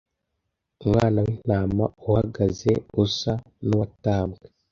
Umwana w’Intama uhagaze usa n’uwatambwe,